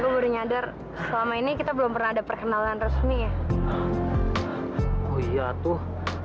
aku baru nyadar selama ini kita belum pernah ada perkenalan resmi ya oh iya tuh